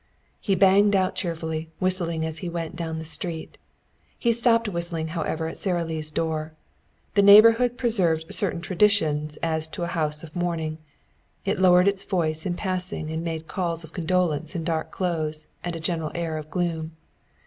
He banged out cheerfully, whistling as he went down the street. He stopped whistling, however, at Sara Lee's door. The neighborhood preserved certain traditions as to a house of mourning. It lowered its voice in passing and made its calls of condolence in dark clothes and a general air of gloom.